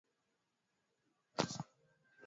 Watu ishirini na wanne wafariki katika mafuriko Uganda